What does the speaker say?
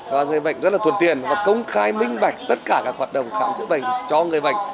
và người bệnh rất là thuận tiền và công khai minh bạch tất cả các hoạt động khám chữa bệnh cho người bệnh